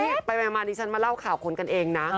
นี่ไปมาดิฉันมาเล่าข่าวคนกันเองนะ